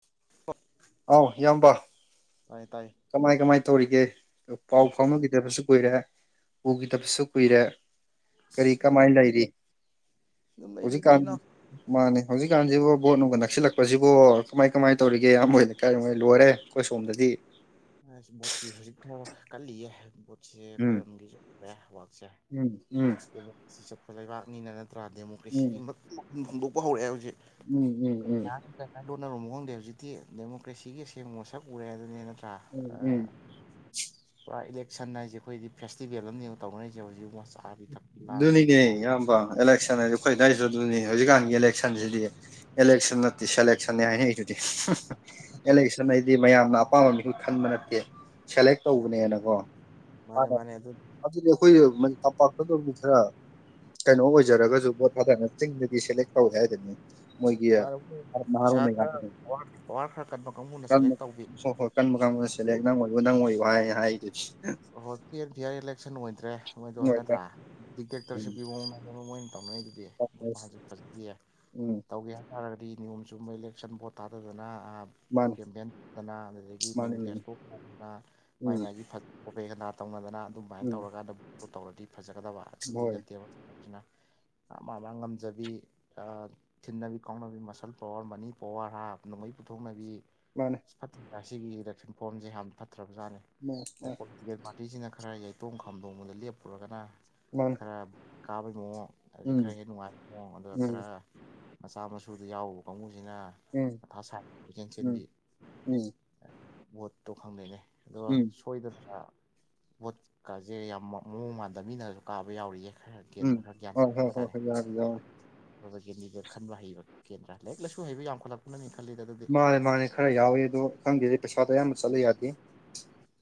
[inaudible] ꯑꯥꯎ ꯏꯌꯥꯝꯕ ꯇꯥꯏ ꯇꯥꯏ ꯀꯃꯥꯏ ꯀꯃꯥꯏ ꯇꯧꯔꯤꯒꯦ ꯄꯥꯎ ꯑꯁ ꯅꯨꯡꯉꯥꯏ ꯐꯥꯎꯅꯈꯤꯗꯕꯁꯨ ꯀꯨꯏꯔꯦ ꯎꯈꯤꯗꯕꯁꯨ ꯀꯨꯏꯔꯦ ꯀꯔꯤ ꯀꯃꯥꯏ ꯅꯨꯡꯉꯥꯏ ꯂꯩꯔꯤ ꯑꯗꯨꯝ ꯍꯧꯖꯤꯛꯀꯥꯟ ꯂꯩꯔꯤꯗꯨꯅꯤꯅꯣ ꯃꯥꯅꯦ ꯍꯧꯖꯤꯛꯀꯥꯟꯁꯤꯕꯨ ꯕꯣꯠ ꯅꯨꯡꯒ ꯅꯛꯁꯤꯜꯂꯛ [unintelligible] ꯑꯁ ꯕꯣꯠꯀꯤ ꯍꯧꯖꯤꯛꯐꯥꯎ ꯀꯜꯂꯤꯌꯦ ꯎꯝ ꯎꯝ ꯎꯝ ꯎꯝ [unintelligible] [unintelligible] ꯎꯝ ꯎꯝ ꯎꯝ ꯂꯣꯟꯅꯔꯨꯃꯣ ꯈꯪꯗꯦ ꯍꯧꯖꯤꯛꯇꯤ ꯗꯦꯃꯣꯀ꯭ꯔꯦꯁꯤꯒꯤ ꯑꯁꯦꯡꯕ ꯃꯁꯛ ꯎꯔꯦ ꯑꯗꯨꯅꯦ ꯅꯠꯇ꯭ꯔꯥ ꯎꯝ ꯎꯝ ꯄꯨꯔꯥ ꯏꯂꯦꯛꯁꯟ ꯍꯥꯏꯁꯦ ꯑꯩꯈꯣꯏꯗꯤ ꯐꯦꯁꯇꯤꯕꯦꯜ ꯑꯃꯅꯦ ꯇꯧꯅꯔꯤꯁꯦ ꯍꯧꯖꯤꯛ ꯊꯛꯄꯤ ꯂꯥꯡꯕꯤ ꯑꯗꯨꯅꯤꯅꯦ ꯢꯌꯥꯝꯕ ꯑꯦꯂꯦꯛꯁꯥꯟ ꯍꯥꯢꯖꯦ ꯑꯩꯈꯣꯏ ꯑꯗꯥꯏꯖꯨ ꯑꯗꯨꯅꯤ ꯍꯧꯖꯤꯛꯀꯥꯟꯒꯤ ꯏꯂꯦꯛꯁꯟꯁꯤꯗꯤ ꯏꯂꯦꯛꯁꯟ ꯅꯠꯇꯦ ꯁꯦꯂꯦꯛꯁꯟꯅꯦ ꯍꯥꯏꯅꯩꯗꯨꯗꯤ ꯑꯦꯂꯦꯛꯁꯟ ꯍꯥꯏꯗꯤ ꯃꯌꯥꯝꯅ ꯑꯄꯥꯝꯕ ꯃꯤꯍꯨꯠ ꯈꯟꯕ ꯅꯠꯇꯦ ꯁꯦꯂꯦꯛ ꯇꯧꯕꯅꯦꯅꯀꯣ ꯃꯥꯅꯦ ꯑꯗꯨꯗꯤ ꯑꯩꯈꯣꯏ ꯇꯝꯄꯥꯛ ꯑꯝ ꯈꯔ ꯀꯩꯅꯣ ꯑꯣꯏꯖꯔꯒꯁꯨ ꯚꯣꯠ ꯊꯥꯗꯅ ꯆꯤꯡꯗꯗꯤ ꯁꯦꯂꯦꯛ ꯇꯧꯋꯦ ꯍꯥꯏꯗꯅꯤ ꯃꯥ ꯄꯩꯁꯥ ꯈꯔ ꯃꯌꯥꯝꯗꯨꯅ ꯄꯋꯥꯔ ꯈꯔ ꯀꯟꯕ ꯀꯥꯡꯕꯨꯅ ꯀꯟꯕ ꯁꯦꯂꯦꯛ ꯇꯧꯕꯤ ꯍꯣꯏ ꯍꯣꯏ ꯀꯟꯕ ꯀꯥꯡꯕꯨꯅ ꯅꯪ ꯑꯣꯏꯌꯣ ꯅꯪ ꯑꯣꯏꯌꯣ ꯍꯥꯏ ꯍꯥꯏꯗꯨꯗꯤ ꯑꯣꯏ ꯄꯤꯑꯦꯗꯤ ꯍꯥꯏ ꯏꯂꯦꯛꯁꯟ ꯑꯣꯏꯗ꯭ꯔꯦ ꯃꯣꯏꯗꯣ ꯅꯠꯇ꯭ꯔꯥ ꯎꯝ ꯗꯤꯇꯦꯛꯇꯔꯁꯤꯞꯀꯤ ꯃꯑꯣꯡ ꯇꯧꯅꯔꯤꯗꯨꯗꯤ ꯑꯇꯣꯄ ꯍꯧꯖꯤꯛ ꯐꯖꯀꯤ ꯎꯝ ꯇꯧꯒꯦ ꯍꯥꯏꯇꯥꯔꯒꯗꯤ ꯅꯤꯌꯣꯝ ꯆꯨꯝꯕ ꯏꯂꯦꯛꯁꯟ ꯚꯣꯠ ꯊꯥꯗꯗꯅ ꯃꯥꯅꯤ ꯀꯦꯝꯄꯦꯟꯠꯇꯅ ꯑꯗꯨꯗꯒꯤ ꯃꯥꯅꯤ ꯃꯥꯅꯤ ꯃꯦꯅꯤꯐꯦꯁꯇꯣ ꯇꯧꯗꯅ ꯃꯥꯏ ꯎꯝ ꯃꯥꯥꯏꯒꯤ ꯄꯣꯄꯦ ꯍꯟꯗꯥ ꯇꯧꯅꯗꯅ ꯑꯗꯨꯃꯥꯏꯅ ꯎꯝ ꯇꯧꯔꯀꯥꯟꯗ ꯕꯣꯠ ꯇꯧꯔꯗꯤ ꯐꯖꯒꯗꯕ ꯑꯗꯨꯗꯤ ꯍꯣꯏ ꯅꯠꯇꯦꯕ ꯑꯗꯨꯅ [inaudible] ꯃꯥ ꯃꯥ ꯃꯥ ꯉꯝꯖꯕꯤ ꯊꯤꯟꯅꯕꯤ ꯀꯥꯎꯅꯕꯤ ꯃꯁꯜ ꯄꯋꯥꯔ ꯃꯅꯤ ꯄꯋꯥꯔ ꯍꯥ ꯅꯣꯡꯃꯩ ꯄꯨꯊꯣꯛꯅꯕꯤ ꯃꯥꯅꯦ ꯐꯠꯇ ꯁꯤꯒꯤ ꯏꯂꯦꯛꯁꯟ ꯐꯣꯔꯝꯁꯦ ꯌꯥꯝ ꯐꯠꯇ꯭ꯔꯕꯖꯥꯠꯅꯤ ꯃꯥꯅꯦ ꯄꯣꯜꯇꯤꯀꯦꯜ ꯄꯥꯔꯇꯤ ꯇꯤꯁꯤꯅ ꯈꯔ ꯌꯩꯇꯣꯡ ꯈꯥꯝꯗꯣꯡꯕꯗ ꯂꯦꯞꯄꯨꯔꯒꯅ ꯈꯔ ꯀꯥꯕꯩ ꯃꯑꯣꯡ ꯑꯩ ꯎꯝ ꯈꯔ ꯍꯦꯟꯅ ꯅꯨꯡꯉꯥꯏꯕ ꯃꯑꯣꯡ ꯑꯗꯨꯒ ꯎꯝ ꯎꯝ ꯈꯔ ꯃꯆꯥ ꯃꯁꯨꯗ ꯌꯥꯎꯕ ꯀꯥꯡꯕꯨ ꯁꯤꯅ ꯎꯝ ꯃꯊꯥ ꯁꯥꯏ ꯀꯣꯏꯆꯦꯟ ꯆꯦꯟꯕꯤ ꯎꯝ ꯚꯣꯠꯇꯣ ꯈꯪꯗꯦꯅꯦ ꯑꯗꯣ ꯎꯝ ꯑꯩꯗꯨꯗ ꯄꯣꯠꯀꯥꯁꯦ ꯌꯥꯝ ꯃꯑꯣꯡ ꯃꯥꯟꯗ ꯃꯤꯅꯁꯨ ꯀꯥꯕ ꯌꯥꯎꯔꯤꯌꯦ ꯎꯝ ꯀꯦꯟꯗ꯭ꯔ ꯈꯔ ꯒ꯭ꯌꯥꯟ ꯍꯣꯏ ꯇꯥꯄ ꯍꯣꯏ ꯍꯣꯏ ꯍꯥꯏꯇꯥꯔꯦ ꯍꯣꯏ ꯌꯥꯎꯋꯤ ꯌꯥꯎꯋꯤ ꯀꯦꯟꯗꯤꯗꯦꯠ ꯈꯟꯕ ꯍꯩꯕ ꯀꯦꯟꯗ꯭ꯔ ꯂꯥꯏꯔꯤꯛ ꯂꯥꯏꯁꯨ ꯍꯩꯕ ꯌꯥꯝꯈꯠꯂꯛꯄꯅꯅꯤꯗ ꯃꯥꯅꯦ ꯃꯥꯅꯦ ꯈꯔ ꯌꯥꯎꯋꯤ ꯑꯗꯣ ꯈꯪꯗꯦꯗ ꯄꯩꯁꯥꯗꯣ ꯑꯌꯥꯝꯕ ꯆꯠꯂꯦ ꯌꯥꯗꯦ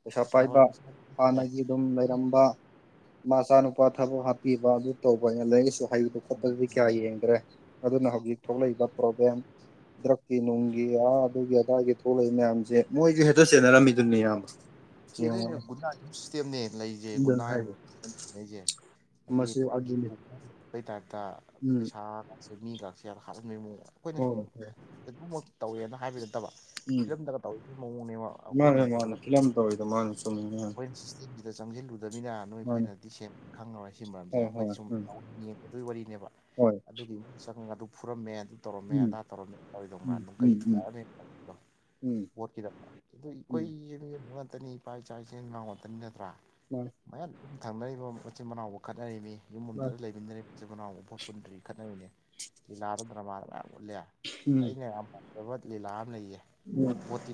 ꯄꯩꯁꯥ ꯄꯥꯏꯕ ꯍꯣꯏ ꯄꯩꯁꯥꯅꯦ ꯍꯥꯟꯅꯒꯤ ꯑꯗꯨꯝ ꯂꯩꯔꯝꯕ ꯃꯆꯥꯅꯨꯄꯥ ꯊꯕꯛ ꯍꯥꯞꯄꯤꯕ ꯇꯧꯕꯅꯤꯅ ꯂꯥꯏꯔꯤꯛ ꯂꯩꯁꯨ ꯍꯩꯕ ꯈꯣꯠꯄꯗꯗꯤ ꯀꯌꯥ ꯌꯦꯡꯗ꯭ꯔꯦ ꯑꯗꯨꯅ ꯍꯧꯖꯤꯛ ꯊꯣꯛꯂꯛꯏꯕ ꯄ꯭ꯔꯣꯕ꯭ꯂꯦꯝ ꯗ꯭ꯔꯛꯀꯤ ꯅꯨꯡ ꯒꯤ ꯑꯗꯨꯒꯤ ꯑꯗꯒꯤ ꯊꯣꯛꯂꯛꯏ ꯃꯌꯥꯝꯁꯦ ꯃꯣꯏꯁꯨ ꯍꯦꯛꯇ ꯆꯦꯟꯅꯔꯝꯃꯤꯗꯨꯅꯦ ꯏꯌꯥꯝꯕ ꯆꯦꯟꯅꯩꯅꯦ ꯌꯦꯡꯉꯣꯅꯦ ꯒꯨꯟꯗꯥ ꯂꯩꯖ ꯑꯗꯨꯅ ꯒꯨꯟꯗꯥ ꯃꯑꯣꯡꯅꯦ ꯍꯥꯏꯔꯤ ꯂꯩꯅꯩꯖꯦ ꯃꯁꯤ ꯍꯥꯏꯗꯤ ꯑꯗꯨꯅꯤ ꯄꯣꯛꯑꯩ ꯇꯥꯏꯞꯇ ꯎꯝ ꯄꯩꯁꯥꯁꯨ ꯃꯤꯒꯁꯦ ꯍꯥꯠꯍꯟꯕꯣꯏꯃꯨꯛ ꯍꯣꯢ ꯍꯣꯢ ꯑꯗꯨꯃꯛ ꯇꯧꯋꯦꯅ ꯍꯥꯏꯕ ꯅꯠꯇꯕ ꯎꯝ ꯐꯤꯂꯝꯗꯒ ꯇꯧꯒꯤ ꯃꯑꯣꯡꯅꯦꯕ ꯑꯩꯈꯣꯏ ꯃꯅꯤꯄꯨꯔꯗꯒ ꯃꯟꯅꯤ ꯁꯨꯝꯃꯤꯅꯦ ꯢꯌꯥꯝꯕ ꯆꯪꯖꯤꯟꯂꯨ ꯑꯗꯨꯃꯤꯅ ꯅꯣꯏ ꯑꯩꯈꯣꯏꯅꯗꯤ ꯁꯦꯡ ꯈꯪꯉꯔꯣꯏ ꯁꯤ ꯃꯔꯝꯁꯦ ꯍꯣꯏ ꯑꯩꯈꯣꯏꯗꯤ ꯍꯣꯏ ꯁꯨꯝ ꯎꯝ ꯌꯦꯡꯗꯒꯤ ꯋꯥꯔꯤꯅꯦꯕ ꯍꯣꯏ ꯑꯗꯨꯒꯤ ꯆꯉ ꯑꯗꯨ ꯐꯨꯔꯝꯃꯦ ꯑꯗꯨ ꯇꯧꯔꯝꯃꯦ ꯎꯝ ꯑꯗꯥ ꯇꯧꯔꯝꯃꯦ ꯇꯧꯔꯤꯗꯧ ꯃꯥ ꯎꯝ ꯑꯗꯨꯝ ꯒꯔꯤ ꯎꯝ ꯎꯝ ꯊꯨꯒꯥꯏꯔꯝꯃꯦ ꯎꯝ ꯚꯣꯠꯀꯤꯗꯃꯛ ꯑꯗꯨ ꯑꯩꯈꯣꯏ ꯎꯝ ꯈꯛꯇꯅꯤ ꯏꯄꯥ ꯏꯆꯥꯥꯛ ꯏꯆꯦꯟ ꯉꯥꯛꯇꯅꯤ ꯅꯠꯇ꯭ꯔꯥ ꯃꯥꯅꯦ ꯃꯌꯥꯝ ꯊꯪꯅꯔꯤꯕ ꯃꯆꯤꯟ ꯃꯅꯥꯎꯕꯨ ꯈꯠꯅꯔꯤꯕꯅꯤ ꯌꯨꯝ ꯑꯝꯗ ꯃꯥꯅꯦ ꯂꯩꯃꯤꯟꯅꯔꯤꯕ ꯝꯆꯤꯟ ꯃꯅꯥꯎꯕ ꯄꯣꯠ ꯄꯨꯟꯗ꯭ꯔꯤ ꯈꯠꯅꯔꯤꯅꯦ ꯂꯤꯂꯥꯗ ꯗ꯭ꯔꯃꯥꯗ ꯃꯌꯥꯝ ꯎꯠꯂꯦ ꯎꯝ ꯑꯩꯅ ꯌꯥꯝ ꯄꯥꯝꯖꯕ ꯂꯤꯂꯥ ꯑꯃ ꯂꯩꯌꯦ ꯎꯝ ꯄꯣꯠꯇꯤ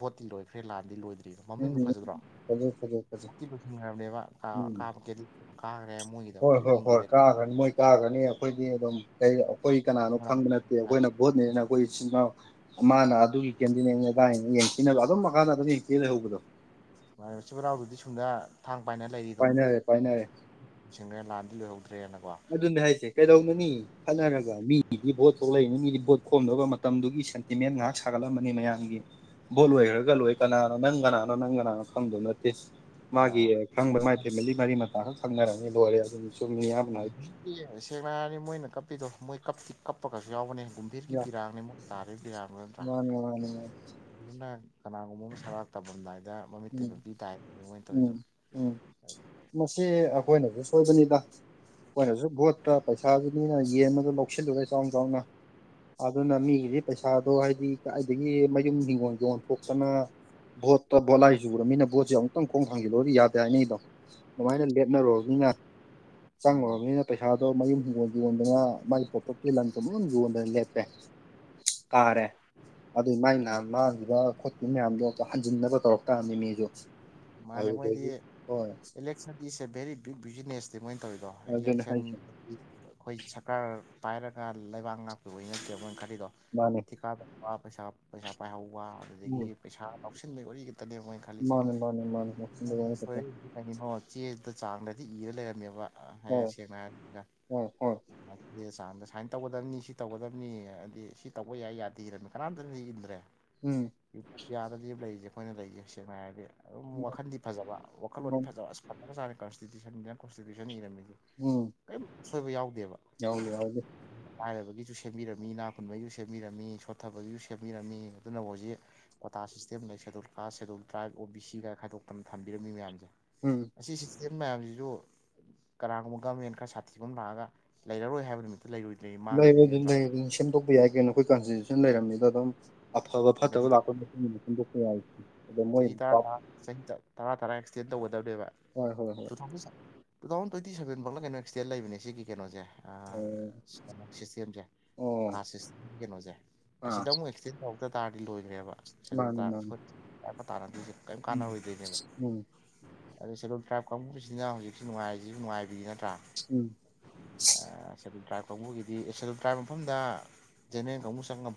ꯕꯣꯠꯇꯤ ꯂꯣꯏꯈ꯭ꯔꯦ ꯂꯥꯟꯗꯤ ꯂꯣꯏꯗ꯭ꯔꯤ ꯎꯝ ꯃꯃꯤꯡꯗꯨ ꯎꯝ ꯐꯖꯗ꯭ꯔꯣ ꯐꯖꯩ ꯐꯖꯩ ꯐꯖꯩ ꯚꯣꯠꯇꯤ ꯂꯣꯏꯁꯤꯈ꯭ꯔꯕꯅꯦꯕ ꯀꯥ ꯎꯝ ꯀꯥꯕ ꯀꯦꯟꯗꯤ [unintelligible] ꯀꯥꯈ꯭ꯔꯦ ꯃꯣꯏꯒꯤꯗ ꯑꯃꯨꯛ ꯍꯣꯏ ꯀꯔꯤꯝ ꯍꯣꯏ ꯍꯣꯏ ꯌꯦꯡꯕꯤꯔꯦ ꯀꯥꯈ꯭ꯔꯅꯤ ꯃꯣꯏ ꯀꯥꯈ꯭ꯔꯅꯤ ꯑꯩꯈꯣꯏꯗꯤ ꯑꯗꯨꯝ ꯀꯩ ꯑꯩꯈꯣꯏ ꯀꯅꯥꯅꯣ ꯈꯪꯕ ꯅꯠꯇꯦ ꯑꯩꯈꯣꯏꯅ ꯚꯣꯠꯅꯦꯅ ꯑꯩꯈꯣꯏ ꯏꯆꯤꯟꯅꯥꯎ ꯃꯥꯅ ꯑꯗꯨꯒꯤ ꯀꯦꯟꯗꯤꯗꯦꯠꯅꯤ ꯑꯗꯨꯗꯥꯏꯅ ꯌꯦꯡꯊꯤꯅꯕ ꯑꯗꯨꯝ ꯃꯈꯥꯇꯥꯅ ꯑꯗꯨꯝ ꯌꯦꯡꯊꯤꯅ ꯂꯩꯍꯧꯕꯗꯣ ꯃꯥ ꯃꯆꯤꯟ ꯃꯅꯥꯎꯗꯨꯗꯤ ꯁꯨꯝꯗ ꯊꯥꯡ ꯄꯥꯏꯅ ꯂꯩꯔꯤꯗꯣ ꯄꯥꯏꯅꯔꯦ ꯄꯥꯏꯅꯔꯦ ꯁꯤꯟꯒ꯭ꯔꯦ ꯂꯥꯟꯗꯤ ꯂꯣꯏꯍꯧꯗ ꯑꯗꯨꯅꯦ ꯍꯥꯏꯁꯦ ꯀꯩꯗꯧꯅꯅꯤ ꯈꯠꯅꯔꯒ ꯃꯤꯒꯤ ꯗꯤ ꯚꯣꯠ ꯊꯣꯛꯂꯛꯏꯅꯦ ꯃꯤꯒꯤꯗꯤ ꯕꯣꯠ ꯈꯣꯝꯅꯕ ꯃꯇꯝꯗꯨꯒꯤ ꯁꯦꯟꯇꯤꯃꯦꯟ ꯉꯥꯍꯥꯛ ꯁꯥꯒꯠꯂꯝꯃꯅꯤ ꯃꯌꯥꯝꯒꯤ ꯚꯣꯠ ꯂꯣꯏꯈ꯭ꯔꯒ ꯂꯣꯏ ꯀꯅꯥꯅꯣ ꯅꯪ ꯀꯅꯥꯅꯣ ꯅꯪ ꯀꯅꯥꯅꯣ ꯈꯪꯗꯧ ꯅꯠꯇꯦ ꯃꯥꯒꯤ ꯈꯪꯕ ꯃꯥꯏ ꯐꯦꯃꯤꯂꯤ ꯃꯔꯤ ꯃꯇꯥ ꯈꯛ ꯈꯪꯅꯔꯅꯤ ꯂꯣꯏꯔꯦ ꯑꯗꯨꯅꯤ ꯁꯨꯝ ꯃꯤ ꯑꯌꯥꯝꯕꯅ ꯄꯤ ꯁꯦꯡꯅ ꯍꯥꯏꯔꯗꯤ ꯃꯣꯏꯅ ꯀꯞꯄꯤꯗꯣ ꯃꯣꯏ ꯀꯞꯇꯤ ꯀꯞꯄꯒꯁꯨ ꯌꯥꯎꯕꯅꯦ ꯀꯨꯝꯚꯔꯤꯒꯤ ꯄꯤꯔꯥꯡꯅꯦ ꯃꯣꯏ ꯇꯥꯔꯤ ꯄꯤꯔꯥꯡꯗꯣ ꯅꯠꯇ꯭ꯔꯥ ꯃꯥꯅꯤ ꯃꯥꯅꯤ ꯃꯥꯅꯤ ꯑꯗꯨꯅ ꯀꯅꯥꯒꯨꯝꯕ ꯑꯃ ꯁꯔꯥꯛ ꯇꯝꯃꯝꯗꯥꯏꯗ ꯃꯃꯤꯠꯇꯩ ꯎꯝ ꯃꯄꯤ ꯇꯥꯏ ꯃꯣꯏꯅ ꯎꯝ ꯇꯧꯔꯤꯗꯣ ꯎꯝ ꯃꯁꯤ ꯑꯩꯈꯣꯏꯅꯁꯨ ꯁꯣꯏꯕꯅꯤꯗ ꯑꯩꯈꯣꯏꯅꯁꯨ ꯚꯣꯠꯇ ꯄꯩꯁꯥꯗꯨ ꯃꯤꯅ ꯌꯦꯟꯕꯗꯨ ꯂꯧꯁꯤꯜꯂꯨꯔ ꯆꯥꯎ ꯆꯥꯎꯅ ꯑꯗꯨꯅ ꯃꯤꯒꯤꯗꯤ ꯄꯩꯁꯥꯗꯣ ꯍꯥꯏꯗꯤ ꯀꯥꯏꯗꯒꯤ ꯃꯌꯨꯝ ꯍꯤꯒꯣꯟ ꯌꯣꯟꯊꯣꯛꯇꯅ ꯕꯣꯠꯇꯣ ꯕꯣꯠꯂꯥꯏ ꯆꯨꯨꯔꯝꯅꯤꯅ ꯕꯣꯠꯁꯦ ꯑꯃꯨꯛꯇꯪ ꯈꯣꯡ ꯍꯥꯡꯖꯤꯜꯂꯨꯔꯗꯤ ꯌꯥꯗꯦ ꯍꯥꯏꯅꯩꯗꯣ ꯑꯗꯨꯃꯥꯏꯅ ꯂꯦꯞꯅꯔꯨꯔꯝꯅꯤꯅ ꯎꯝ ꯆꯪꯉꯨꯔꯝꯅꯤꯅ ꯄꯩꯁꯥꯗꯣ ꯃꯌꯨꯝ ꯒꯣꯟ ꯌꯣꯟꯗꯅ ꯃꯥꯒꯤ ꯄꯣꯄ꯭ꯔꯇꯤ ꯂꯟ ꯊꯨꯝ ꯂꯣꯏ ꯌꯣꯟꯗꯅ ꯂꯦꯞꯄꯦ ꯀꯥꯔꯦ ꯑꯗꯨꯏ ꯃꯥꯏꯅ ꯎꯝ ꯃꯥꯡꯒꯤꯕ ꯈꯣꯠꯈꯤꯕ ꯃꯌꯥꯝꯗꯣ ꯍꯟꯖꯤꯟꯅꯕ ꯇꯧꯔꯛ ꯇꯥꯝꯅꯤ ꯃꯤꯁꯨ ꯃꯥꯅꯦ ꯃꯣꯏꯗꯤ ꯑꯗꯨꯗꯒꯤ ꯍꯣꯏ election is a very big ꯕꯤꯖꯤꯅꯦꯁꯅꯤ ꯃꯣꯏ ꯇꯧꯋꯤꯗꯣ ꯑꯗꯨꯅꯦ ꯑꯂꯦꯛꯁꯟ ꯍꯥꯏꯁꯦ ꯑꯩꯈꯣꯏ ꯁꯔꯀꯥꯔ ꯄꯥꯏꯔꯒ ꯂꯩꯕꯥꯛ ꯉꯥꯛꯄꯤꯕꯩ ꯅꯠꯇꯦ ꯃꯣꯏ ꯈꯔꯤꯗꯣ ꯃꯥꯅꯦ ꯊꯤꯀꯥ ꯇꯧꯕ ꯄꯩꯁꯥ ꯄꯩꯁꯥ ꯄꯥꯏꯍꯧꯕ ꯑꯗꯨꯗꯒꯤ ꯎꯝ ꯄꯩꯁꯥ ꯂꯧꯁꯤꯟꯕꯩ ꯋꯥꯔꯤꯒ [unintelligible] ꯃꯥꯅꯦ ꯃꯥꯅꯦ ꯃꯥꯅꯦ ꯋꯥꯈꯜꯗ ꯋꯥꯕ ꯈꯛꯇ ꯇꯆꯥꯡꯗꯗꯤ ꯏꯔ ꯂꯩꯔꯝꯃꯦꯕ ꯍꯥꯏꯔꯦ ꯍꯣꯏ ꯁꯦꯡꯅ ꯍꯥꯏꯔꯒ ꯍꯣꯏ ꯍꯣꯏ ꯆꯥꯟꯗ ꯁꯥꯏꯟ ꯇꯧꯒꯗꯝꯅꯤ ꯁꯤ ꯇꯧꯒꯗꯝꯅꯤ ꯍꯥꯏꯗꯤ ꯁꯤ ꯇꯧꯕ ꯌꯥꯏ ꯌꯥꯗꯔꯦ ꯅ ꯀꯅꯥꯝꯇꯅꯗꯤ ꯏꯟꯖꯤꯟꯗ꯭ꯔꯦ ꯎꯝ ꯌꯥꯗ ꯂꯤꯞ ꯂꯩꯔꯤꯁꯦ ꯑꯩꯈꯣꯏꯅ ꯂꯩꯁꯦ ꯁꯦꯡꯅ ꯍꯥꯏꯔꯗꯤ ꯑꯗꯨꯝ ꯋꯥꯈꯜꯗꯤ ꯐꯖꯕ ꯋꯥꯈꯜꯂꯣꯟꯗꯤ ꯐꯖꯕ ꯑꯁ ꯐꯖꯒ꯭ꯔ ꯖꯥꯠꯅꯦ ꯀꯟꯇꯤꯇꯌꯨꯁꯟ ꯒ ꯀꯣꯟꯇꯤꯌꯁꯟ ꯏꯝꯔꯝꯃꯤ ꯎꯝ ꯁꯣꯏꯕ ꯌꯥꯎ ꯌꯥꯎꯗꯦ ꯌꯥꯎꯗꯦ ꯂꯥꯏꯔꯕꯒꯤꯁꯨ ꯁꯦꯝꯕꯤꯔꯝꯃꯤ ꯏꯅꯥ ꯈꯨꯨꯟꯕꯩꯁꯨ ꯁꯦꯝꯕꯤꯔꯝꯃꯤ ꯁꯣꯠꯊꯕꯒꯤꯁꯨ ꯁꯦꯝꯕꯤꯔꯝꯃꯤ ꯑꯗꯨꯅ ꯍꯧꯖꯤꯛ ꯀꯣꯇꯥ ꯥꯀꯥꯁ ꯁꯤꯁꯇꯦꯝ ꯂꯩ schedule caste schedule tribe O B ꯁꯤ ꯀꯥꯏ ꯈꯥꯏꯗꯣꯛꯇꯅ ꯊꯝꯕꯤꯔꯝꯃꯤ ꯃꯌꯥꯝꯁꯦ ꯎꯝ ꯑꯁꯤ ꯁꯤ ꯖꯤꯝ ꯃꯌꯥꯝꯁꯤꯁꯨ ꯀꯅꯥꯒꯨꯝꯕ ꯒꯣꯃꯦꯟ ꯈꯔ ꯁꯥꯊꯤꯕꯝ ꯂꯥꯛꯑꯒ ꯂꯩꯔꯔꯣꯏ ꯍꯥꯏꯕ ꯅꯨꯃꯤꯠ [unintelligible] ꯑꯐꯕ ꯐꯠꯇꯕ ꯂꯥꯛꯄꯩ ꯃꯇꯨꯡꯏꯟꯅ ꯁꯦꯝꯗꯣꯛꯄ ꯌꯥꯏ ꯑꯗꯣ ꯃꯣꯏ ꯆꯍꯤ ꯇꯔꯥ ꯇꯔꯥ ꯆꯍꯤ ꯇ ꯇꯔꯥ ꯇꯔꯥ ꯑꯦꯛꯁꯇꯦꯟ ꯇꯧꯒꯗꯝꯅꯦꯕ ꯍꯣꯏ ꯍꯣꯏ ꯍꯣꯏ ꯇꯨ ꯊꯥꯎꯖꯟ ꯁꯞ ꯇꯨ ꯊꯥꯎꯖꯟ ꯇ꯭ꯋꯦꯟꯇꯤ ꯁꯚꯦꯟ ꯕꯥꯎꯂ ꯀꯩꯅꯣ ꯑꯦꯛꯁꯗꯦꯟ ꯂꯩꯕꯅꯦ ꯁꯤꯒꯤ ꯀꯩꯅꯣꯁꯦ ꯑꯥ ꯁꯤꯁꯇꯦꯝꯁꯦ ꯑꯣ ꯀꯥꯁ ꯁꯤꯁ ꯀꯩꯅꯣꯁꯦ ꯑꯥ ꯑꯁꯤꯗ ꯑꯃꯨꯛ ꯑꯦꯛꯁꯇꯦꯟ ꯇꯧ ꯇ ꯇꯥꯔꯗꯤ ꯂꯣꯏꯔꯦꯕ ꯁꯦꯗꯨꯜ ꯃꯥꯅꯤ ꯇꯔꯥꯏꯚ ꯃꯥꯅꯤ ꯎꯝ ꯃꯌꯥꯝꯅ ꯇꯥꯅꯗꯣꯏꯁꯦ ꯀꯩꯝ ꯎꯝ ꯀꯥꯟꯅꯔꯣꯏ ꯗꯣꯏꯅꯦꯕ ꯎꯝ ꯑꯗꯣ ꯁꯦꯗꯨꯜ ꯇ꯭ꯔꯥꯏꯕ ꯀꯥꯡꯕꯨꯁꯤꯅ ꯍꯧꯖꯤꯛꯁꯤ ꯅꯨꯡꯉꯥꯏꯔꯤꯁꯤꯕꯨ ꯅꯨꯡꯉꯥꯏꯕꯤꯅꯤ ꯅꯠ ꯎꯝ ꯁꯦꯗꯨꯜ ꯇ꯭ꯔꯥꯏꯞ ꯀꯥꯡꯕꯨꯒꯤꯗꯤ ꯑꯦ ꯁꯦꯜꯗꯨꯜ ꯇ꯭ꯔꯥꯏꯞ ꯃꯐꯝꯗ ꯖꯦꯅꯦꯔꯦꯟ ꯀꯥꯡꯕꯨ ꯆꯪꯉꯝ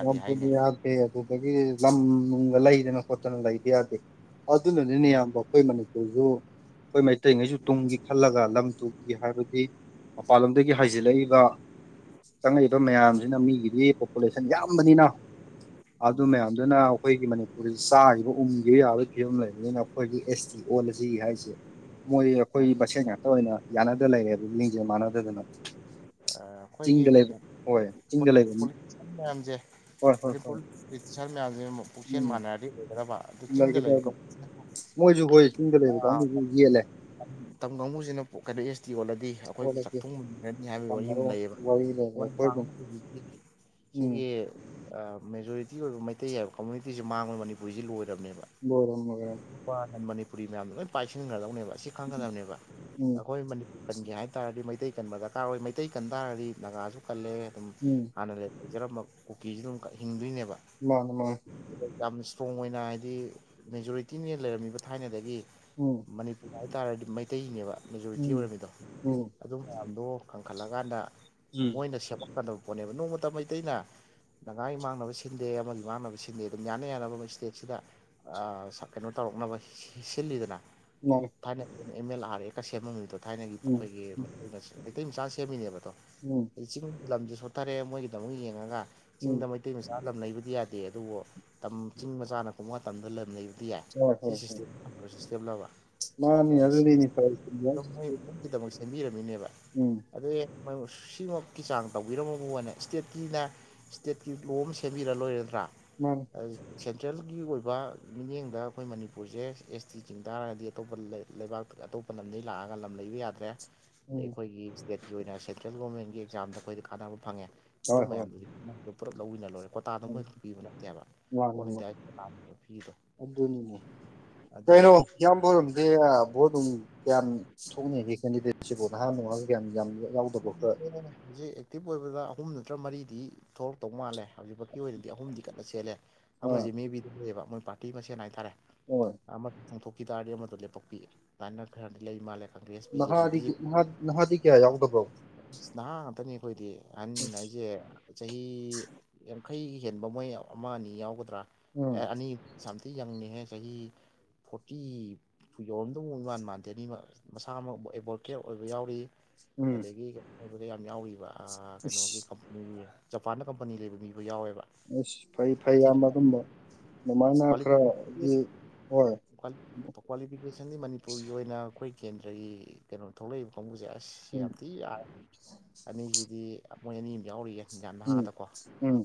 ꯂꯕꯨꯗꯤ ꯌꯥꯗꯦ ꯑꯗꯨꯗꯒꯤ ꯂꯝꯅꯨꯡꯒ ꯂꯩꯗꯅ ꯈꯣꯠꯇꯅ ꯂꯩꯕ ꯌꯥꯗꯦ ꯑꯗꯨꯅ ꯅꯤꯅꯦ ꯃꯣꯏ ꯏꯌꯥꯝꯕ ꯑꯩꯈꯣꯏ ꯃꯅꯤꯄꯨꯔꯖꯨ ꯑꯩꯈꯣꯏ ꯃꯩꯇꯩꯉꯩꯁꯨ ꯇꯨꯡꯒꯤ ꯈꯜꯂꯒ ꯂꯝ ꯇꯨꯒꯤ ꯍꯥꯏꯕꯗꯤ ꯃꯄꯥꯟꯂꯝꯗꯒꯤ ꯍꯥꯏꯖꯤꯜꯂꯛꯏꯕ ꯆꯪꯉꯛꯏꯕ ꯃꯌꯥꯝꯁꯤꯅ ꯃꯤꯒꯤꯗꯤ ꯄꯣꯄꯨꯂꯦꯁ ꯁꯟ ꯌꯥꯝꯕꯅꯤꯅ ꯑꯗꯨ ꯎꯝ ꯃꯌꯥꯝꯗꯨꯅ ꯑꯩꯈꯣꯏꯒꯤ ꯃꯅꯤꯄꯨꯔꯗꯤꯗꯤ ꯆꯥꯒꯤꯕ ꯎꯝꯒꯤꯕ ꯌꯥꯕꯩ ꯐꯤꯕꯝ ꯂꯩꯕꯅꯤꯅ ꯑꯩꯈꯣꯏꯒꯤ ꯑꯦꯁ ꯇꯤ ꯑꯣꯜꯂꯁꯤ ꯍꯥꯏꯁꯦ ꯃꯣꯏ ꯑꯩꯈꯣꯏ ꯃꯁꯦꯟ ꯉꯥꯛꯇ ꯑꯣꯏꯅ ꯌꯥꯅꯗ ꯂꯩꯔꯦ ꯗꯨ ꯂꯤꯡꯖꯦꯟ ꯃꯥꯟꯅꯗꯗꯅ ꯑꯩꯈꯣꯏꯒꯤ ꯆꯤꯡꯗ ꯂꯩꯕ ꯍꯣꯏ ꯆꯤꯡꯗ ꯂꯩꯕ [unintelligible] ꯃꯌꯥꯝꯁꯦ ꯍꯣꯏ ꯍꯣꯏ ꯍꯣꯏ ꯃꯅꯤꯄꯨꯔ ꯑꯣꯐꯤꯁꯔ ꯃꯌꯥꯝꯁꯦ ꯄꯨꯛꯆꯦꯟ ꯎꯝ ꯃꯥꯟꯅꯔꯗꯤ ꯑꯣꯏꯒꯗꯕ ꯑꯗꯨ ꯆꯤꯡꯗ ꯂꯩꯒꯗꯕ ꯂꯩꯕꯅ ꯃꯣꯏꯁꯨ [unintelligible] ꯍꯣꯏ ꯆꯤꯡꯗ ꯂꯩꯕ ꯀꯥꯡꯕꯨꯁꯤꯅ ꯌꯦꯠꯂꯦ ꯃꯇꯝ ꯀꯥꯡꯕꯨꯁꯤꯅ ꯀꯩꯅꯣ ꯑꯦꯁ ꯇꯤ ꯑꯣꯅꯗꯤ ꯑꯩꯈꯣꯏꯕꯨ ꯑꯣꯜꯂꯗꯤ ꯆꯥꯛꯊꯨꯡ ꯃꯨꯟꯒ꯭ꯔꯅꯤ ꯍꯥꯏꯕꯒꯤ ꯋꯥꯔꯤ ꯑꯃ ꯐꯪꯉꯔꯣꯏ ꯂꯩꯌꯦꯕ ꯋꯥꯔꯤ ꯂꯩꯔꯦ ꯑꯩꯈꯣꯏ ꯑꯗꯨꯝ [unintelligible] ꯎꯝ ꯁꯤꯒꯤ ꯑꯥ ꯃꯦꯖꯣꯔꯤꯇꯤ ꯑꯣꯏꯕ ꯃꯩꯇꯩ ꯍꯥꯏꯕ ꯀꯝꯃꯨꯅꯤꯇꯤꯁꯤ ꯃꯥꯡꯕꯗ ꯃꯅꯤꯄꯨꯔꯁꯤ ꯂꯣꯏꯔꯕꯅꯤ ꯅꯦꯕ ꯂꯣꯏꯔꯝ ꯂꯣꯏꯔꯝ ꯅꯅ ꯃꯅꯤꯄꯨꯔꯤ ꯃꯌꯥꯝꯗꯣ ꯂꯣꯏꯅ ꯄꯥꯏꯁꯤꯟꯈ꯭ꯔꯗꯧꯅꯦꯕ ꯑꯁꯤ ꯈꯪꯒꯗꯕꯅꯦꯕ ꯎꯝ ꯑꯩꯈꯣꯏ ꯃꯅꯤꯄꯨꯔ ꯀꯟꯒꯦ ꯍꯥꯏ ꯇꯥꯔꯗꯤ ꯃꯩꯇꯩ ꯀꯟꯕ ꯗꯔꯀꯥꯔ ꯑꯣꯏ ꯃꯩꯇꯩ ꯀꯟ ꯇꯥꯔꯗꯤ ꯅꯥꯒꯥꯁꯨ ꯀꯜꯂꯦ ꯑꯗꯨꯝ ꯎꯝ ꯍꯥꯟꯅ ꯂꯩꯖꯔꯝꯕ ꯀꯨꯀꯤꯁꯨ ꯑꯗꯨꯝ ꯍꯤꯡꯗꯣꯏꯅꯦꯕ ꯃꯥꯅꯦ ꯃꯥꯅꯦ ꯌꯥꯝꯅ ꯏꯁꯇ꯭ꯔꯣꯡ ꯑꯣꯏꯅ ꯍꯥꯏꯗꯤ ꯃꯦꯖꯣꯔꯤꯇꯤꯅꯦꯅ ꯂꯩꯔꯝꯃꯤꯕ ꯊꯥꯏꯅꯗꯒꯤ ꯎꯝ ꯃꯅꯤꯄꯨꯔ ꯍꯥꯏꯇꯥꯔꯗꯤ ꯃꯩꯇꯩꯅꯦꯕ ꯃꯦꯖꯣꯔꯤꯇꯤ ꯎꯝ ꯑꯣꯏꯔꯝꯃꯤꯗꯣ ꯎꯝ ꯑꯗꯨ ꯃꯌꯥꯝꯗꯣ ꯀꯟꯈꯠꯂꯀꯥꯟꯗ ꯎꯝ ꯃꯣꯏꯅ ꯁꯦꯝꯃꯛꯀꯗꯕ ꯄꯣꯠꯅꯦꯕ ꯅꯣꯡꯃꯇ ꯃꯩꯇꯩꯅ ꯅꯥꯒꯥꯒꯤ ꯃꯥꯡꯅꯕ ꯁꯤꯟꯗꯦ ꯑꯃꯒꯤ ꯃꯥꯡꯅꯕ ꯁꯤꯟꯗꯦ ꯑꯗꯨꯝ ꯌꯥꯅ ꯌꯥꯅꯕ ꯏꯁꯇꯦꯠꯁꯤꯗ ꯑꯥ ꯀꯩꯅꯣ ꯇꯧꯔ ꯇꯧꯔꯛꯅꯕ ꯁꯤꯜꯂꯤꯗꯅ ꯎꯝ ꯊꯥꯏꯅ ꯑꯦꯝ ꯑꯦꯜ ꯑꯥꯔ ꯑꯦꯒ ꯁꯦꯝꯃꯝꯃꯤꯗꯣ ꯊꯥꯏꯅꯒꯤ ꯎꯝ ꯑꯩꯈꯣꯏꯒꯤ ꯎꯝ ꯃꯩꯇꯩ ꯃꯆꯥꯅ ꯁꯦꯝꯃꯤꯅꯦꯕꯗꯣ ꯎꯝ ꯆꯤꯡ ꯂꯝꯁꯦ ꯁꯣꯠꯊꯔꯦ ꯃꯣꯏꯒꯤꯗꯃꯛ ꯌꯦꯡꯉꯒ ꯎꯝ ꯆꯤꯡꯗ ꯃꯩꯇꯩ ꯃꯆꯥ ꯂꯝ ꯂꯩꯩꯕꯗꯤ ꯌꯥꯗꯦ ꯑꯗꯨꯕꯨ ꯇ ꯆꯤꯡ ꯃꯆꯥꯥꯅ ꯀꯨꯝꯕ ꯃꯇꯝꯗ ꯂꯝ ꯂꯩꯕ ꯌꯥꯏ ꯁꯤ ꯁꯤꯁꯇꯦꯝ ꯑꯐꯕ ꯁꯤꯁꯇꯦꯝꯂꯕ ꯃꯥꯅꯦ ꯑꯗꯨꯅꯤꯅꯦ ꯇꯧꯔꯤꯁꯦ ꯏꯟꯗꯤꯌꯥꯏ ꯁꯤꯁꯇꯦꯝꯁꯦ ꯁꯤꯟꯕꯤꯔꯝꯃꯤꯅꯦꯕ ꯑꯗꯨꯅꯦ ꯁꯤꯃꯛꯀꯤ ꯆꯥꯡ ꯇꯧꯕꯤꯔꯝꯃꯕꯨꯅ ꯏꯁꯇꯦꯠꯀꯤꯅ ꯏꯁꯇꯦꯠꯀꯤ ꯂꯣ ꯑꯃ ꯁꯦꯝꯕꯤꯔ ꯂꯣꯏꯔꯦ ꯅꯠꯇ꯭ꯔꯥ ꯃꯥꯅꯤ ꯑꯩ ꯁꯦ ꯇ꯭ꯔꯦꯜꯒꯤ ꯑꯣꯏꯕ ꯃꯤꯠꯌꯦꯡꯗ ꯑꯩꯈꯣꯏ ꯃꯅꯤꯄꯨꯔꯁꯦ ꯑꯦꯁ ꯇꯤ ꯆꯤꯡ ꯇꯥꯔꯒꯗꯤ ꯑꯇꯣꯞꯄ ꯂꯩꯕꯥꯛꯇ ꯑꯇꯣꯞꯄ ꯑꯇꯣꯞꯄ ꯂꯝꯗꯒꯤ ꯂꯥꯛꯑꯒ ꯂꯝ ꯂꯩꯕ ꯌꯥꯗ꯭ꯔꯦ ꯑꯗꯩ ꯎꯝ ꯑꯩꯈꯣꯏꯒꯤ ꯏꯁꯇꯦꯠꯀꯤ ꯑꯣꯏꯅ ꯁꯦꯟꯇ꯭ꯔꯦꯜ ꯒꯣꯔꯃꯦꯟꯒꯤ ꯑꯦꯛꯖꯥꯝꯗ ꯑꯩꯈꯣꯏꯗꯤ ꯀꯥꯟꯅꯕ ꯐꯪꯉꯦ ꯑꯗꯨ ꯍꯣꯏ ꯍꯣꯏ ꯃꯌꯥꯝꯗꯨꯗꯤ ꯄꯨꯂꯞ ꯂꯧꯃꯤꯟꯅ ꯂꯣꯏꯔꯦ ꯀꯣꯇꯥꯗꯣ ꯃꯥꯅꯤ ꯃꯣꯏꯈꯛ ꯄꯤꯕ ꯅꯠꯇꯦꯕ ꯑꯣꯜ ꯃꯥꯅꯤ ꯏꯟꯗꯤꯌꯥ ꯑꯗꯨꯅꯤꯅꯦ ꯑꯗꯣ ꯀꯩꯅꯣ ꯏꯌꯥꯝꯕ ꯍꯣꯏꯔꯣꯝꯗꯤ ꯚꯣꯠ ꯅꯨꯡ ꯀꯌꯥꯝ ꯊꯣꯛꯅꯤꯒꯦ ꯀꯦꯟꯗꯤꯗꯦꯠꯁꯤꯕꯨ ꯅꯍꯥꯟ ꯅꯨꯡꯉꯥꯏ ꯅꯤ [unintelligible] ꯍꯧꯖꯤꯛ ꯑꯦꯛꯇꯤꯚ ꯑꯣꯏꯕꯗ ꯑꯍꯨꯝ ꯅꯠꯇ꯭ꯔ ꯃꯔꯤꯗꯤ ꯊꯣꯛꯔꯛꯇꯧ ꯃꯥꯜꯂꯦ ꯍꯧꯖꯤꯛꯐꯥꯎꯀꯤ ꯑꯣꯏꯅꯗꯤ ꯑꯍꯨꯝꯗꯤ ꯀꯟꯅ ꯆꯦꯜꯂꯦ ꯑꯥ ꯑꯃꯁꯤ ꯃꯦ ꯕꯤꯗ ꯂꯩꯌꯦꯕ ꯃꯣꯏ ꯄꯥꯔꯇꯤ ꯃꯁꯦꯟ ꯍꯥꯏꯇꯥꯔꯦ ꯍꯣꯏ ꯑꯃ ꯆꯣꯡꯊꯣꯛꯈꯤ ꯇꯥꯔꯗꯤ ꯑꯃꯗꯣ ꯂꯦꯞꯄꯛꯄꯤ ꯑꯗꯨꯃꯥꯏꯅ ꯈꯔꯗꯤ ꯂꯩ ꯃꯥꯜꯂꯦ Congress B J P B J P ꯅꯍꯥꯗꯤꯒꯤ ꯅꯍꯥꯗꯤ ꯅꯍꯥꯗꯤ ꯀꯌꯥ ꯌꯥꯎꯗꯕ꯭ꯔꯣ ꯑꯁ ꯅꯍꯥ ꯉꯥꯛꯇꯅꯤ ꯑꯩꯈꯣꯏꯗꯤ ꯑꯍꯟ ꯍꯥꯏꯖꯦ ꯆꯍꯤ ꯌꯥꯡꯈꯩ ꯍꯦꯟꯕ ꯃꯣꯏ ꯑꯃ ꯑꯅꯤ ꯌꯥꯎꯒꯗ꯭ꯔꯥ ꯑꯦ ꯎꯝ ꯑꯅꯤ ꯁꯝ ꯁꯤ ꯌꯪꯉꯅꯤꯍꯦ ꯆꯍꯤ ꯐꯣꯔꯇꯤ ꯌꯧꯔꯝꯗꯧ ꯏꯃꯥꯟ ꯃꯥꯟꯗꯦꯅꯦ ꯃꯁꯥꯃꯛ ꯑꯦꯗꯕꯣꯀꯦꯗ ꯑꯣꯏꯕ ꯌꯥꯎꯔꯤ ꯎꯝ ꯑꯗꯒꯤ [unintelligible] ꯌꯥꯝ ꯌꯥꯎꯔꯤꯕ ꯀꯩꯅꯣꯒꯤ ꯏꯁ ꯀꯝꯄꯅꯤ ꯖꯄꯥꯟꯗ ꯀꯝꯄꯅꯤ ꯂꯩꯕ ꯃꯤ ꯑꯗꯨ ꯌꯥꯎꯋꯦꯕ ꯑꯁ ꯐꯩ ꯌꯥꯝ ꯐꯩ ꯊꯤꯅ ꯏꯌꯥꯝꯕ ꯄꯥ ꯑꯗꯨꯝꯕ ꯑꯗꯨꯃꯥꯏꯅ ꯈꯔꯗꯤ ꯍꯣꯏ ꯀ꯭ꯋꯥꯂꯤꯐꯤꯀꯦꯁꯟꯗꯤ ꯃꯅꯤꯄꯨꯔꯒꯤ ꯑꯣꯏꯅ ꯑꯩꯈꯣꯏ ꯀꯦꯟꯗ꯭ꯔꯒꯤ ꯀꯩꯅꯣ ꯊꯣꯛꯂꯛꯏꯕ ꯀꯥꯡꯕꯨꯁꯦ ꯑꯁ ꯎꯝ ꯌꯥꯝ ꯊꯤ ꯌꯥ ꯑꯅꯤꯁꯤꯗꯤ ꯃꯣꯏ ꯑꯅꯤ ꯑꯃ ꯌꯥꯎꯔꯤꯌꯦꯦ ꯌꯥꯝ ꯎꯝ ꯅꯍꯥꯗꯀꯣ ꯎꯝ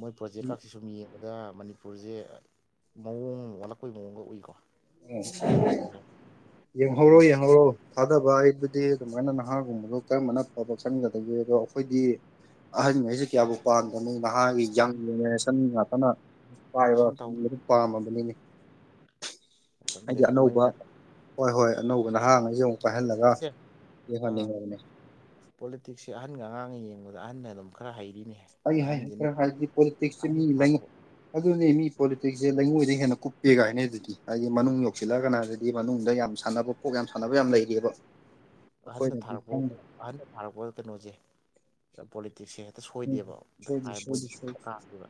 ꯃꯣꯏ ꯄ꯭ꯔꯣꯖꯦꯛ ꯀꯛꯁꯤ ꯁꯨꯝ ꯌꯦꯡꯉ ꯑꯗ ꯃꯅꯤꯄꯨꯔꯁꯦ ꯃꯑꯣꯡ ꯑꯃ ꯑꯣꯂꯛꯄꯩ ꯃꯑꯣꯡꯒ ꯎꯏꯀꯣ ꯐꯗꯤ [unintelligible] ꯐꯖꯩ ꯌꯦꯡꯍꯧꯔꯣ ꯑꯗꯨꯅꯕꯨ ꯌꯦꯡꯍꯧꯔꯣ ꯊꯥꯗꯕ ꯑꯩꯕꯨꯗꯤ ꯑꯗꯨꯃꯥꯏꯅ ꯅꯍꯥꯒꯨꯝꯕꯅꯤ ꯑꯗꯣ ꯀꯔꯝꯕꯅ ꯐꯕ ꯈꯟꯒꯗꯒꯦ ꯑꯗꯣ ꯑꯩꯈꯣꯏꯗꯤ ꯑꯍꯟꯉꯩꯁꯤ ꯀꯌꯥꯕꯨ ꯄꯥꯝꯗꯝꯅꯤ ꯅꯍꯥꯒꯤ ꯌꯪ ꯖꯦꯅꯦꯔꯦꯁꯟ ꯉꯥꯛꯇꯅ ꯄꯥꯢꯕ ꯖꯦꯅꯦꯔꯦꯁꯟ ꯑꯗꯨꯝ ꯇꯧ ꯄꯥꯝꯃꯕꯅꯤꯅꯦ ꯍꯥꯏꯗꯤ ꯈꯪꯗꯦ ꯑꯅꯧꯕ ꯃꯣꯏꯅ ꯍꯣꯏ ꯍꯣꯏ ꯑꯅꯧꯕ ꯅꯍꯥꯉꯩꯁꯤ ꯑꯃꯨꯛ ꯄꯥꯏꯍꯜꯂꯒ ꯌꯦꯡꯍꯟ ꯅꯤꯡꯕꯅꯦ ꯄꯣꯂꯤꯇꯤꯛꯁꯦ ꯑꯍꯟꯒ ꯑꯉꯥꯡꯒ ꯌꯦꯡꯕꯗ ꯑꯍꯟꯅ ꯑꯗꯨꯝ ꯈꯔ ꯍꯩ ꯑꯩ ꯍꯥꯏ ꯈꯔ ꯍꯥꯏꯔꯗꯤ ꯄꯣꯂꯤꯇꯤꯛꯁꯁꯦ ꯃꯤ ꯑꯍꯟꯅ ꯂꯩꯉ ꯊꯥꯔꯛꯄ ꯑꯗꯨꯅꯤ ꯃꯤ ꯄꯣꯂꯤꯇꯤꯛꯁꯁꯦ ꯂꯩꯉꯣꯏꯗ ꯍꯦꯟꯅ ꯀꯨꯞꯄꯦ ꯒꯥꯏꯅ ꯍꯥꯏꯅꯩꯗꯨꯗꯤ ꯍꯥꯏꯗꯤ ꯃꯅꯨꯡ ꯌꯧꯁꯤꯜꯂꯑ ꯀꯟꯗꯗꯤ ꯑꯗꯨ ꯃꯅꯨꯡꯗ ꯌꯥꯝ ꯁꯥꯟꯅꯕ ꯀꯣꯛ ꯌꯥꯝ ꯁꯥꯟꯅꯕ ꯌꯥꯝ ꯂꯩꯔꯤꯑꯕ ꯑꯍꯟꯅꯗ ꯑꯩꯈꯣꯏꯅꯗꯤ ꯊꯥꯔꯛꯄ ꯈꯪꯗꯕ ꯑꯍꯟꯅꯗ ꯊꯥꯔꯛꯄ ꯀꯩꯅꯣꯁꯦ ꯄꯣꯂꯤꯇꯤꯛꯁꯁꯦ ꯍꯦꯛꯇ ꯎꯝ ꯁꯣꯏꯗꯦꯕ ꯁꯣꯏꯗꯤ ꯗꯥꯏ ꯁꯣꯏꯗꯤ ꯃꯣꯏꯗꯤ ꯁꯣꯏ ꯀꯥꯗꯦꯕ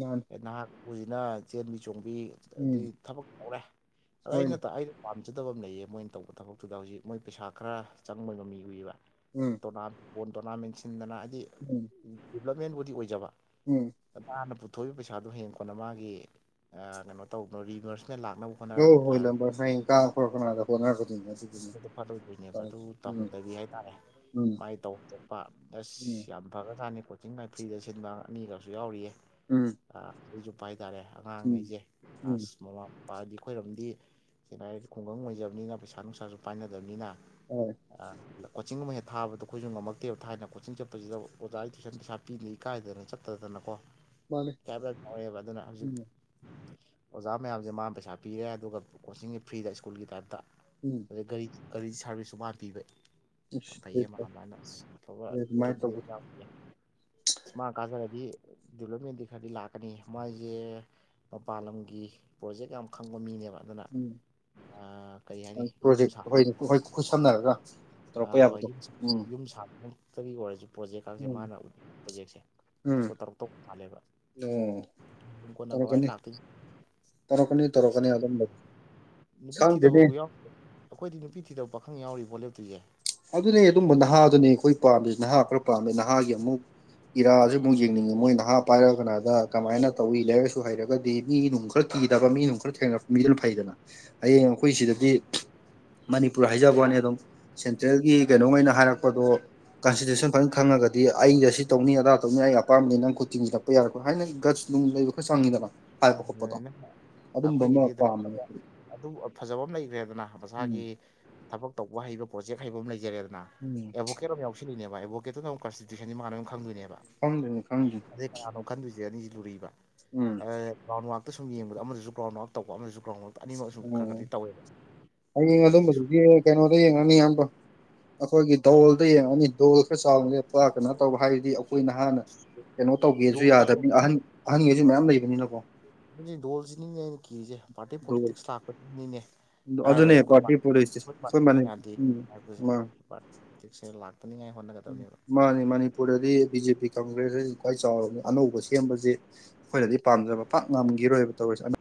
ꯃꯥꯅꯤ [unintelligible] ꯆꯦꯟꯕꯤ ꯆꯣꯡꯕꯤ ꯎꯝ ꯑꯗꯨꯗꯤ ꯊꯕꯛ ꯇꯧꯔꯦ ꯑꯗ ꯑꯩꯅ ꯍꯣꯏꯅꯦ ꯑꯩꯩꯅ ꯄꯥꯝꯖꯗꯕ ꯑꯃ ꯂꯩꯌꯦ ꯃꯣꯏꯅ ꯇꯧꯕ ꯊꯕꯛꯇꯨꯗ ꯍꯧꯖꯤꯛ ꯃꯣꯏ ꯄꯩꯁꯥ ꯈꯔ ꯆꯪꯕ ꯉꯃꯤ ꯎꯏꯌꯦꯕ ꯎꯝ ꯕꯣꯜ ꯇꯣꯔꯅꯥꯃꯦꯟ ꯁꯤꯟꯗꯅ ꯍꯥꯏꯗꯤ ꯎꯝ ꯗꯤꯕꯂꯞꯃꯦꯟꯕꯨꯗꯤ ꯑꯣꯏꯖꯕ ꯎꯝ [unintelligible] ꯄꯨꯊꯣꯛꯏꯕ ꯄꯩꯁꯥꯗꯣ ꯍꯦꯟ ꯀꯣꯟꯅ ꯃꯥꯒꯤ ꯀꯩꯅꯣ ꯇꯧꯕ ꯔꯤꯚꯔꯁ [unintelligible] ꯐꯗꯣꯏꯅꯦꯕ ꯑꯗꯨ ꯇꯧꯔꯤꯁꯦ ꯎꯝ ꯇꯧꯍꯟꯗꯕꯤ ꯍꯥꯏꯇꯥꯔꯦ ꯎꯝ ꯃꯥꯏꯅ ꯇꯧꯄ ꯎꯝ ꯑꯁ ꯌꯥꯝ ꯐꯒꯔ ꯃꯁꯥꯅꯥ ꯀꯣꯆꯤꯡ ꯒꯥ ꯐ꯭ꯔꯤꯗ ꯁꯤꯟꯕ ꯑꯅꯤꯒꯁꯨ ꯌꯥꯎꯔꯤꯌꯦ ꯎꯝ ꯑꯩꯁꯨ ꯍꯥꯏꯇꯥꯔꯦ ꯑꯉꯥꯡꯉꯩꯁꯦ ꯎꯝ ꯎꯝ ꯑꯥꯁ ꯃꯣꯂꯞ ꯄꯥꯗꯤ ꯑꯩꯈꯣꯏꯔꯝꯗꯤ ꯁ ꯍꯥꯏꯔꯗꯤ ꯈꯨꯡꯒꯪ ꯑꯣꯏꯖꯕꯅꯤꯅ ꯄꯩꯁꯥ ꯅꯨꯡꯁꯥꯁꯨ ꯄꯥꯏꯅꯗꯕꯅꯤꯅ ꯍꯣꯏ [unintelligible] ꯀꯣꯆꯤꯡꯍꯨꯝꯕ ꯍꯦꯛ ꯊꯥꯕꯗꯣ ꯑꯩꯈꯣꯏꯁꯨ ꯉꯝꯃꯛꯇꯦꯕ ꯊꯥꯏꯅ ꯀꯣꯆꯤꯡ ꯆꯠꯄꯁꯤꯗ ꯑꯣꯖꯥꯢ ꯇꯨꯏꯁꯟ ꯄꯩꯁꯥ ꯄꯤꯗ ꯏꯀꯥꯏꯗꯅ ꯆꯠꯇꯗꯅꯀꯣ ꯃꯥꯅꯦ ꯀꯕ꯭ꯂ ꯍꯥꯌꯦꯕ ꯑꯗꯨꯅ ꯍꯧꯖꯤꯛ ꯎꯝ ꯑꯣꯖꯥ ꯃꯌꯥꯝꯁꯦ ꯃꯥꯅ ꯄꯩꯁꯥ ꯄꯤꯔꯦ ꯑꯗꯨꯒ ꯀꯣꯆꯤꯡꯁꯦ ꯐ꯭ꯔꯤꯗ ꯁ꯭ꯀꯨꯜꯒꯤ ꯇꯥꯏꯞꯇ ꯎꯝ ꯑꯩ ꯒꯥꯔꯤ ꯒꯥꯔꯤ ꯁꯥꯔꯚꯤꯁꯁꯨ ꯃꯥꯅ ꯄꯤꯕ ꯏꯁ ꯐꯩꯌꯦ ꯃꯍꯥꯛ ꯌꯥꯝꯅ ꯑꯐꯕꯥ ꯑꯗꯨꯃꯥꯏꯅ ꯀꯦꯟꯗꯤꯗꯦꯠ ꯇꯧꯕꯗꯣ ꯂꯛꯄꯗ ꯃꯥ ꯀꯥꯖꯔꯗꯤ ꯗꯤꯕꯂꯞꯃꯦꯟꯗꯤ ꯈꯔꯗꯤ ꯂꯥꯛꯀꯅꯤ ꯃꯥꯏꯁꯦ ꯃꯄꯥꯟ ꯂꯝꯒꯤ ꯄ꯭ꯔꯣꯖꯦꯛ ꯌꯥꯝ ꯈꯪꯕ ꯃꯤꯅꯦꯕ ꯑꯗꯨꯅ ꯀꯔꯤ ꯍꯥꯏꯅꯤ ꯌꯨꯝ ꯄ꯭ꯔꯣꯖꯦꯛꯇ ꯍꯣꯏ ꯁꯥꯕꯒꯤ ꯍꯣꯏ ꯈꯨꯠꯁꯝꯅꯔꯒ ꯇꯧꯔꯛꯄ ꯌꯥꯕꯗꯣ ꯎꯝ ꯇꯨꯒꯤ ꯋꯥꯔꯤꯖꯨ ꯄꯔꯣꯖꯦꯛ ꯀꯥꯖꯦ ꯎꯝ ꯃꯥꯅ ꯄ꯭ꯔꯣꯖꯦꯛꯁꯦ ꯎꯝ ꯇꯧꯔꯛꯇꯧ ꯃꯥꯥꯜꯂꯦꯕ ꯑꯣ ꯀꯣꯟꯅꯥ ꯇꯧꯔꯛꯀꯅꯤ ꯀꯃꯥꯏꯅ ꯂꯥꯛꯇꯣꯏ ꯇꯧꯔꯛꯀꯅꯤ ꯑꯁ ꯇꯧꯔꯛꯀꯅꯤ ꯑꯗꯨ ꯒꯨꯝꯕꯗꯤ ꯑꯁ ꯅꯨꯄꯤ ꯈꯪꯗꯦꯅꯦ ꯊꯤꯗꯕꯕꯨ ꯌꯥꯎ ꯑꯩꯈꯣꯏꯗꯤ ꯅꯨꯄꯤ ꯊꯤꯗꯕ ꯄꯥꯈꯪ ꯌꯥꯎꯔꯤ ꯕꯣꯠ ꯂꯦꯞꯇꯣꯢꯁꯦ ꯑꯗꯨꯅꯦ ꯑꯗꯨꯝꯕ ꯅꯍꯥꯗꯨꯅꯦ ꯑꯩꯈꯣꯏ ꯄꯥꯝꯃꯤꯁꯤ ꯅꯍꯥ ꯈꯔ ꯄꯥꯝꯃꯦ ꯅꯍꯥꯒꯤ ꯑꯃꯨꯛ ꯏꯔꯥ ꯁꯤ ꯑꯃꯨꯛ ꯌꯦꯡꯅꯤꯡꯉꯤ ꯃꯣꯏ ꯅꯍꯥ ꯄꯥꯏꯔꯒ ꯀꯅꯥꯗ ꯀꯃꯥꯏꯅ ꯇꯧꯏ ꯂꯩꯔꯤꯛꯁꯨ ꯂꯥꯏꯁꯨ ꯍꯩꯔꯒꯗꯤ ꯃꯤ ꯅꯨꯡ ꯈꯔ ꯀꯤꯗꯕ ꯃꯤꯅꯨꯡ ꯈꯔ ꯊꯦꯡꯅꯔꯛꯄ ꯃꯤꯗꯨꯅ ꯐꯩꯗꯅ ꯍꯌꯦꯡ ꯑꯩꯈꯣꯏ ꯁꯤꯗꯗꯤ ꯃꯅꯤꯄꯨꯔ ꯍꯥꯏꯖꯕ ꯋꯥꯅꯦ ꯑꯗꯨꯝ ꯁꯦꯟꯇ꯭ꯔꯦꯜꯒꯤ ꯀꯩꯅꯣꯉꯩꯅ ꯍꯥꯏꯔꯛꯄꯗꯣ ꯀꯟꯁꯤꯗ꯭ꯔꯦꯁꯟ ꯐꯖꯅ ꯈꯪꯉꯒꯗꯤ ꯑꯩꯒ ꯁꯤ ꯇꯧꯅꯤ ꯑꯗꯥ ꯇꯧꯅꯤ ꯑꯩ ꯑꯄꯥꯝꯕꯅꯤ ꯅꯪ ꯈꯨꯠ ꯇꯤꯡꯁꯤꯜꯂꯛꯄ ꯌꯥꯔꯣꯢ ꯀ ꯁꯨꯃꯥꯏꯅ ꯍꯥꯏꯅ ꯒꯥꯠ ꯅꯨꯡ ꯂꯩꯕ ꯈꯔ ꯆꯪꯉꯤꯗꯅ ꯍꯥꯏꯕ ꯈꯣꯠꯄꯗꯣ ꯑꯗꯨꯅ ꯑꯗꯨꯝꯕ ꯑꯃ ꯑꯩꯈꯣꯏꯒꯤꯗꯤ ꯄꯥꯝꯃꯦ ꯑꯗꯨ ꯐꯖꯕ ꯑꯃ ꯂꯩꯈ꯭ꯔꯦꯗꯅ ꯎꯝ ꯃꯁꯥꯒꯤ ꯊꯕꯛ ꯇꯧꯕ ꯍꯩꯕ ꯄ꯭ꯔꯣꯖꯦꯛ ꯍꯩꯕ ꯑꯃ ꯂꯩꯔꯦꯗꯅ ꯎꯝ ꯑꯦꯕꯣꯀꯦ ꯑꯃ ꯌꯥꯎꯁꯤꯜꯂꯤꯅꯦꯕ ꯑꯦꯕꯚꯣꯀꯦꯠꯇꯨ ꯑꯃꯨ ꯀꯟꯁꯇꯤꯇꯌꯨꯁꯟ ꯃꯥ ꯂꯣꯢ ꯈꯪꯗꯣꯏꯅꯦ ꯈꯪꯗꯦꯅꯦ ꯈꯪꯗꯦ ꯑꯗꯩ ꯀꯅꯥꯅꯣ ꯈꯟꯗꯣꯏꯁꯦ ꯑꯅꯤꯁꯤ ꯂꯨꯔꯤꯕ ꯎꯝ ꯇꯨ ꯁꯨꯝ ꯌꯦꯡꯕꯗ ꯑꯃꯗꯁꯨ ꯒꯥꯎꯟ ꯑꯥꯎ ꯇꯧꯕ ꯑꯃꯁꯨ ꯑꯣ ꯍꯌꯦꯡ ꯍꯧꯖꯤꯛ ꯁꯨꯝ ꯑꯗꯨꯝꯕꯗꯨꯗꯤ ꯀꯩꯅꯣꯗ ꯌꯦꯡꯉꯅꯤ ꯑꯌꯥꯝꯕ ꯑꯩꯈꯣꯏꯒꯤ ꯗꯣꯜꯗ ꯌꯦꯡꯉꯅꯤ ꯗꯣꯜ ꯈꯔ ꯆꯥꯎꯕ ꯂꯦꯞꯄ ꯀꯩꯅꯣ ꯇꯧꯕ ꯍꯥꯏꯔꯗꯤ ꯑꯩꯈꯣꯏ ꯅꯍꯥꯟꯅ ꯀꯩꯅꯣ ꯇꯧꯒꯦꯁꯨ ꯌꯥꯗꯕꯅꯤꯅ ꯑꯍꯟ ꯑꯍꯟꯉꯩꯁꯨ ꯃꯌꯥꯝ ꯂꯩꯕꯅꯤꯅꯀꯣ ꯗꯨꯅꯦ ꯗꯣꯜꯁꯤꯅꯤꯅꯦ ꯑꯩꯅ ꯀꯤꯔꯤꯁꯦ ꯄꯥꯔꯇꯤ ꯗꯣꯜ ꯄꯣꯂꯤꯇꯤꯛꯁ ꯂꯥꯛꯄꯅꯤꯅꯦ ꯑꯗꯨꯅꯦ ꯍꯥꯏꯔꯨꯔꯁꯨ ꯄꯥꯔꯇꯤ ꯄꯣꯂꯤꯁꯁꯦ ꯑꯩꯈꯣꯏ ꯑꯩꯈꯣꯏ ꯄꯥꯔꯠ ꯃꯅꯤ ꯎꯝ ꯑꯩꯈꯣꯢ ꯃꯥ ꯄꯥꯔꯠꯇꯤ ꯂꯥꯛꯇꯅꯤꯡꯉꯥꯏ ꯍꯣꯠꯅꯒꯗꯕꯅꯦꯕ ꯃꯥꯅꯤ ꯃꯅꯤꯄꯨꯔꯗꯗꯤ ꯕꯤꯖꯦ ꯄꯤ ꯀꯪꯒ꯭ꯔꯦꯁ ꯍꯥꯢꯁꯤ ꯈ꯭ꯋꯥꯏ ꯆꯥꯎꯔꯕꯅꯤ ꯑꯅꯧꯕ ꯁꯦꯝꯕꯖꯦ ꯑꯩꯈꯣꯏꯅꯗꯤ ꯄꯥꯝꯖꯕ ꯄꯥꯛ ꯉꯝꯒꯤꯔꯣꯏꯕ ꯇꯧꯔꯤꯁꯦ ꯑꯅꯥ